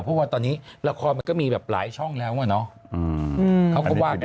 เพราะว่าตอนนี้ละครมันก็มีแบบหลายช่องแล้วอะเนาะเขาก็ว่ากัน